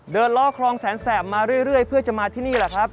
ล่อคลองแสนแสบมาเรื่อยเพื่อจะมาที่นี่แหละครับ